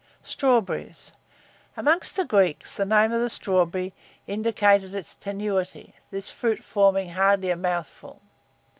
STRAWBERRY. Among the Greeks, the name of the strawberry indicated its tenuity, this fruit forming hardly a mouthful.